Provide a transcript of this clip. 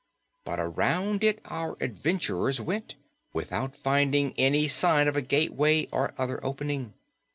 But around it our adventurers went without finding any sign of a gateway or other opening.